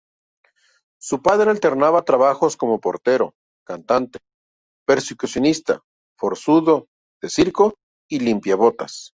Su padre alternaba trabajos como portero, cantante, percusionista, forzudo de circo y limpiabotas.